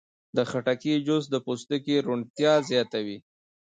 د خټکي جوس د پوستکي روڼتیا زیاتوي.